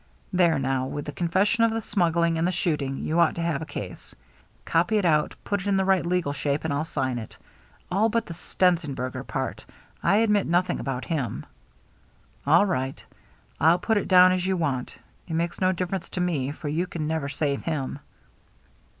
There, now, with the confession of the smug gling and the shooting, you ought to have a case. Copy it out, put it in the right l^;al shape, and Til sign it. All but the Stenzen berger part. I admit nothing about him." "All right. rU put it down as you want. It makes no difference to me, for you can never save him."